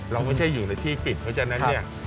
เราไม่ใช่อยู่ในที่ปิดเพราะฉะนั้นเนี่ย